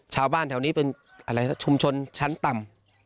ชาวบ้านแถวนี้เป็นอะไรชุมชนชั้นต่ำ